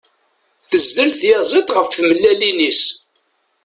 Tezdel tyaziḍt ɣef tmellalin-is.